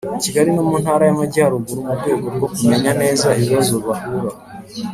Kigali no mu Ntara y Amajyarugu mu rwego rwo kumenya neza ibibazo bahura